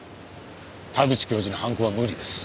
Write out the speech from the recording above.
田口教授に犯行は無理です。